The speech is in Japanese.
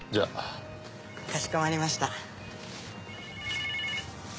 かしこまりました。